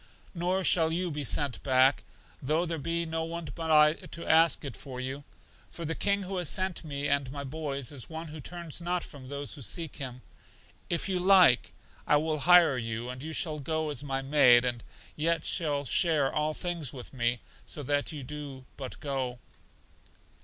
Nor shall you be sent back, though there be no one but I to ask it for you; for the King who has sent for me and my boys is One who turns not from those who seek Him. If you like I will hire you, and you shall go as my maid, and yet shall share all things with me, so that you do but go.